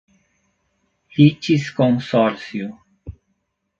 litisconsórcio